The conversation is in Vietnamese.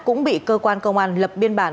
cũng bị cơ quan công an lập biên bản